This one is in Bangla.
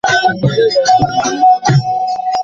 ওর ভালই দক্ষতা ছিল, কিছু করতে পারেনি।